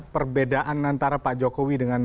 perbedaan antara pak jokowi dengan